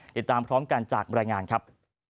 เดี๋ยวตามพร้อมกันจากรายงานครับ